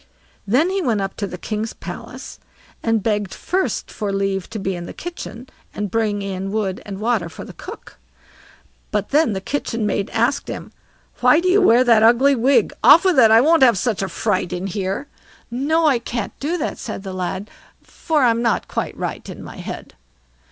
Then he went up to the king's palace and begged first for leave to be in the kitchen, and bring in wood and water for the cook, but then the kitchen maid asked him: "Why do you wear that ugly wig? Off with it. I won't have such a fright in here." "No, I can't do that", said the lad; "for I'm not quite right in my head."